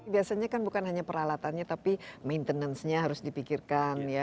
biasanya kan bukan hanya peralatannya tapi maintenance nya harus dipikirkan ya